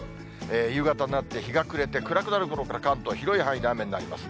夕方になって、日が暮れて、暗くなるころから、関東広い範囲で雨になります。